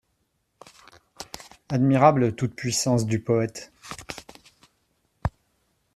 Admirable toute-puissance du poète !